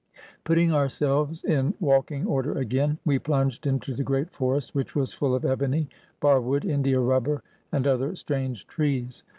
Putting ourselves in walking order again, we plunged into the great forest, which was full of ebony, barwood. India rubber, and other strange trees.